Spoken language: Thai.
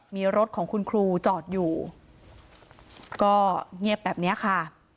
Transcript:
มีรถของคุณครูจอดอยู่ก็เงียบแบบนี้ค่ะ